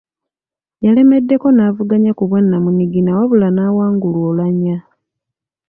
Yalemeddeko n’avuganya ku bwannamunigina wabula n’awangulwa Oulanyah.